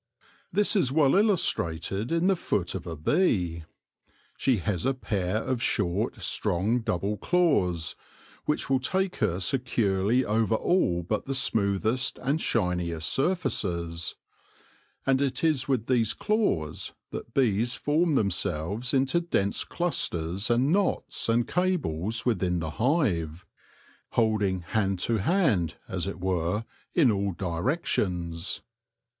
This is well illustrated in the foot of a bee. She has a pair of short, strong double claws, which will take her securely over all but the smoothest and shiniest surfaces ; and it is with these claws that bees form themselves into dense clusters and knots and cables within the hive, holding hand to hand, as it were, in all directions.